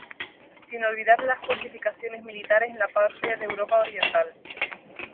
Sin olvidar las fortificaciones militares en la parte de Europa Oriental.